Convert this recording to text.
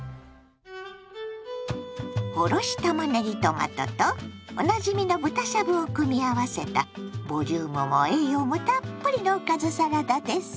おろしたまねぎトマトとおなじみの豚しゃぶを組み合わせたボリュームも栄養もたっぷりのおかずサラダです。